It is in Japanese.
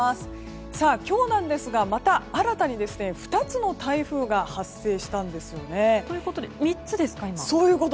今日なんですがまた新たに２つの台風が発生したんですよね。ということで３つですか今。